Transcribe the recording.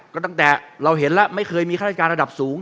ก็ตั้งแต่เราเห็นแล้วไม่เคยมีข้าราชการระดับสูง